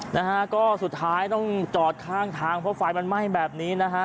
นะฮะก็สุดท้ายต้องจอดข้างทางเพราะไฟมันไหม้แบบนี้นะฮะ